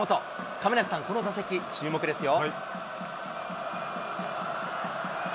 亀梨さん、この打席、注目ですよ。